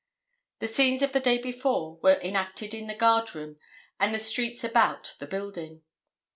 The scenes of the day before were enacted in the guard room and the streets about the building.